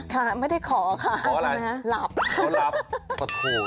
ค่ะไม่ได้ขอค่ะหลับค่ะขออะไรขอหลับ